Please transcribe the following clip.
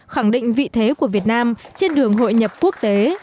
khẳng định vị thế của việt nam trên đường hội nhập quốc tế